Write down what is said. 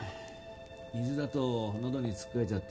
水だとのどにつかえちゃって。